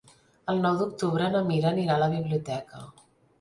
El nou d'octubre na Mira anirà a la biblioteca.